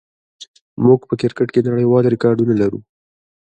موږ په کرکټ کې نړیوال ریکارډونه لرو.